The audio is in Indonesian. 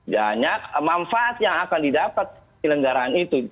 banyak manfaat yang akan didapat di negara itu